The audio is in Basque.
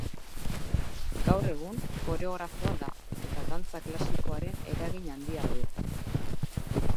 Gaur egun, koreografoa da, eta dantza klasikoaren eragin handia du.